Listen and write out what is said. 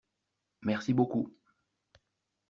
Merci beaucoup.